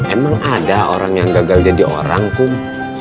emang ada orang yang gagal jadi orang kum